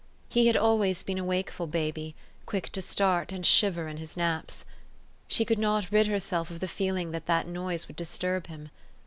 He had alwaj^s been a wakeful baby, quick to start and shiver in his naps. She could not rid herself of the feeling that the noise would disturb him.